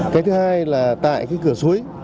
cái thứ hai là tại cái cửa suối